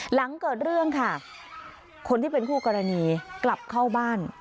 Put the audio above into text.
หลังเกิดเรื่องค่ะคนที่เป็นคู่กรณีกลับเข้าบ้าน